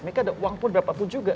mereka ada uang pun berapa pun juga